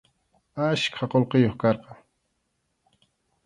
Achka qullqiyuq karqan.